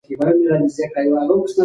د ارغنداب سیند له برکته خلک کار پيدا کوي